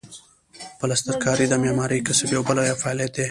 پلسترکاري د معمارۍ کسب یوه بله یا فعالیت دی.